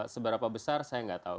seberapa besar saya nggak tahu